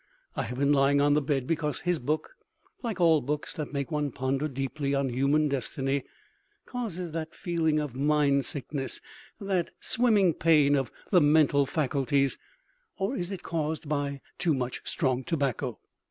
I have been lying on the bed because his book, like all books that make one ponder deeply on human destiny, causes that feeling of mind sickness, that swimming pain of the mental faculties or is it caused by too much strong tobacco?